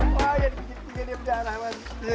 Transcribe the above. wah ya dikit dikit dia berdarah mas